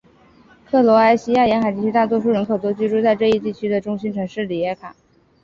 克罗埃西亚沿海地区的大多数人口都居住在这一地区的中心城市里耶卡。